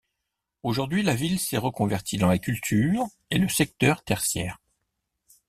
Aujourd'hui, la ville s'est reconvertie dans la culture et le secteur tertiaire.